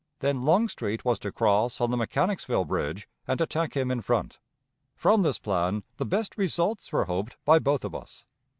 Then Longstreet was to cross on the Mechanicsville Bridge and attack him in front. From this plan the best results were hoped by both of us.